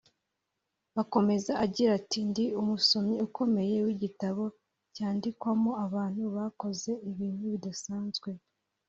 Akomeza agira ati “Ndi umusomyi ukomeye w’igitabo cyandikwamo abantu bakoze ibintu bidasanze